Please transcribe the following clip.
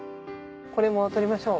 これも取りましょう。